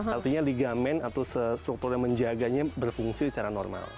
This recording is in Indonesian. artinya ligamen atau struktur yang menjaganya berfungsi secara normal